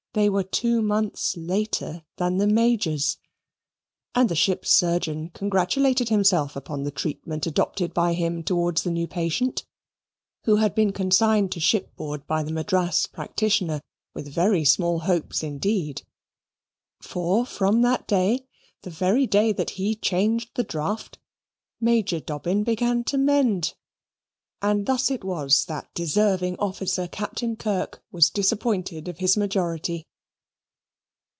They were two months later than the Major's; and the ship's surgeon congratulated himself upon the treatment adopted by him towards his new patient, who had been consigned to shipboard by the Madras practitioner with very small hopes indeed; for, from that day, the very day that he changed the draught, Major Dobbin began to mend. And thus it was that deserving officer, Captain Kirk, was disappointed of his majority.